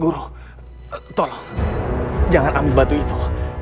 buruh tolong jangan ambil batu itu